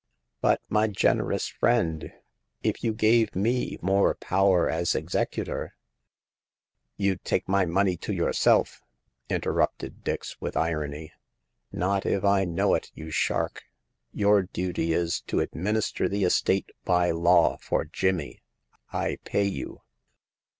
But, my generous friend, if you gave me more power as executor "" You'd take my money to yourself, interrupted Dix with irony. Not if I know it, you shark ! Your duty is to administer the estate by law for Jimmy. I pay you